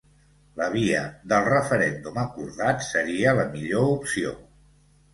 La via del referèndum acordat seria la millor opció.